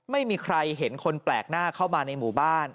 ไม่มีใครเห็นคนแปลกหน้าเข้ามาในหมู่บ้าน